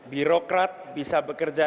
birokrat bisa bekerja